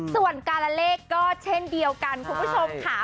ส่วนการละเลขก็เช่นเดียวกันคุณผู้ชมค่ะ